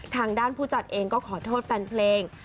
ทางด้านผู้จัดเองก็ขอโทษแฟนเพลง